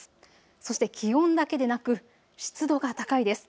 そして気温だけでなく湿度が高いです。